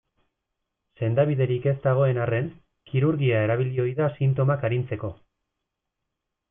Sendabiderik ez dagoen arren, kirurgia erabili ohi da sintomak arintzeko.